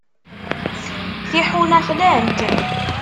Tiḥuna xlant.